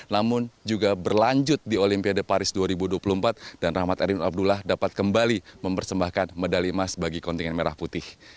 namun juga berlanjut di olimpiade paris dua ribu dua puluh empat dan rahmat erin abdullah dapat kembali mempersembahkan medali emas bagi kontingen merah putih